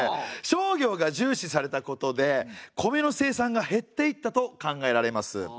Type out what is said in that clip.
商業が重視されたことで米の生産が減っていったと考えられます。